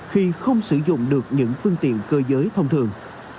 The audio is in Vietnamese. khi không sử dụng được những phương tiện cơ giới thông thường